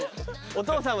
お姉さん。